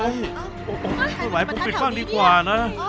โอ้โฮไม่ไหวปุ๊บปิดฝั่งดีกว่านะ